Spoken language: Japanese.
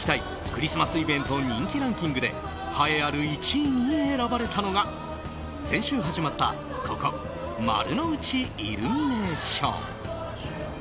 クリスマスイベント人気ランキングで栄えある１位に選ばれたのが先週始まったここ、丸の内イルミネーション。